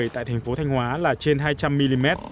tại thành phố thanh hóa là trên hai trăm linh mm